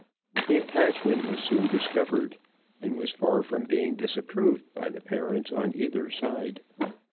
The attachment was soon discovered, and was far from being disapproved by the parents on either side.